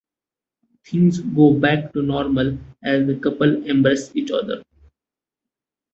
Things go back to normal as the couple embrace each other.